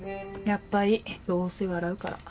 やっぱいいどうせ笑うから。